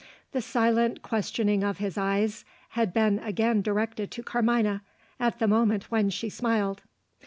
The silent questioning of his eyes had been again directed to Carmina, at the moment when she smiled.